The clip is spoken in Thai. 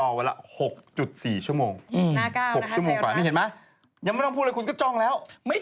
รวมทางเป็นแพทย์ที่๓เฉพาะ๐๕๕๐